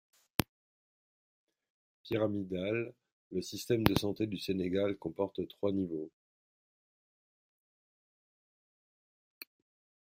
Pyramidal, le système de santé du Sénégal comporte trois niveaux.